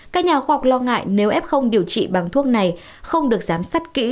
các nhà khoa học lo ngại nếu f điều trị bằng thuốc này không được giám sát kỹ